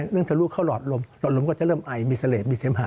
นึงจะรู้เขารอดลมรอดลมก็จะเริ่มไอมีเศรษฐ์มีเศรษฐ์ภาค